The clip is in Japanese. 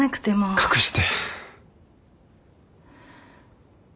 隠して。